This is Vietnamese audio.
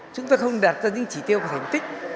chúng tôi không đặt ra những chỉ tiêu của thành tích